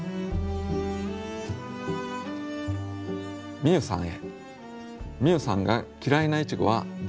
みゆさんへ。